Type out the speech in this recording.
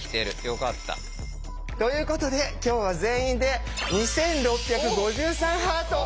よかった。ということで今日は全員で２６５３ハート。